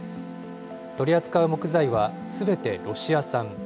取り扱う木材はすべてロシア産。